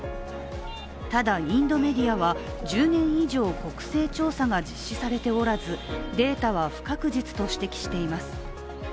ただ、インドメディアは１０年以上国勢調査が実施されておらずデータは不確実と指摘しています。